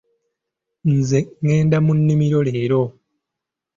Nze ngenda mu nnimiro leero.